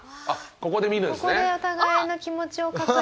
ここでお互いの気持ちを確認。